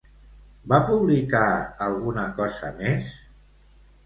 Va publicar alguna cosa més?